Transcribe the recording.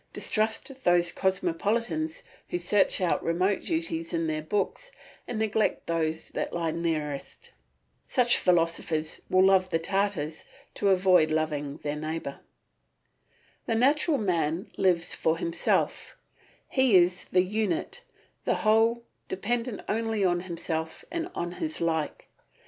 Distrust those cosmopolitans who search out remote duties in their books and neglect those that lie nearest. Such philosophers will love the Tartars to avoid loving their neighbour. The natural man lives for himself; he is the unit, the whole, dependent only on himself and on his like.